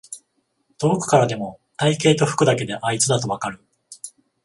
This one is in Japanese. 遠くからでも体型と服だけであいつだとわかる